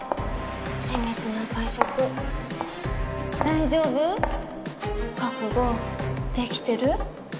親密な会食大丈夫？覚悟できてる？